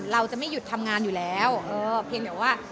เราจะไม่หยุดทำงานอยู่แล้วเออเพียงแต่ว่า